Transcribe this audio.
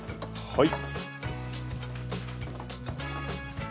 はい。